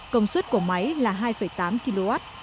công suất của máy là hai tám kw